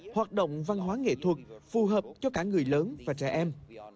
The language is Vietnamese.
hoạt động văn hóa nghệ thuật phù hợp cho cả người lớn và trẻ em